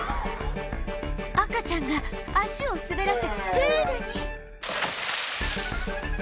赤ちゃんが足を滑らせプールに！